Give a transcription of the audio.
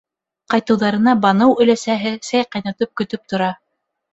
Ҡайтыуҙарына Баныу өләсәһе сәй ҡайнатып көтөп тора.